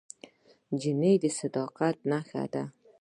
نجلۍ د صداقت نښه ده.